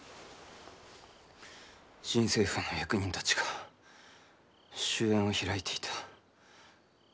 新政府の役人たちが酒宴を開いていた。